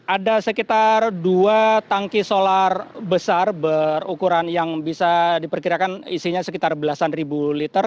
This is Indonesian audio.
ada sekitar dua tangki solar besar berukuran yang bisa diperkirakan isinya sekitar belasan ribu liter